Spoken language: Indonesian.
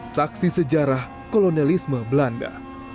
saksi sejarah kolonelisme belanda